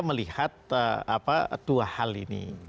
melihat dua hal ini